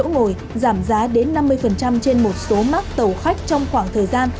đường sắt sẽ giảm giá đến năm mươi trên một số mắc tàu khách trong khoảng thời gian